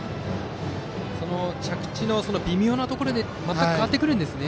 着地の微妙なところで全く変わってくるんですね。